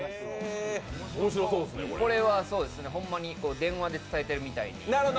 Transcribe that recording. これはほんまに電話で伝えてるみたいに。